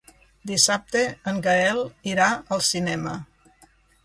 Dissabte en Gaël irà al cinema.